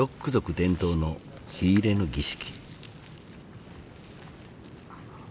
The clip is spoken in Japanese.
伝統の火入れの儀式。